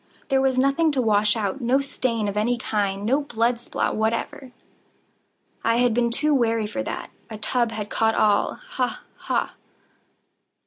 There was nothing to wash out—no stain of any kind—no blood spot whatever. I had been too wary for that. A tub had caught all—ha! ha!